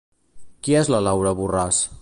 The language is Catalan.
Qui és la Laura Borràs?